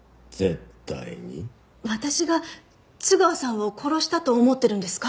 私が津川さんを殺したと思ってるんですか？